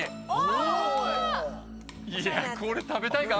いやこれ食べたいか？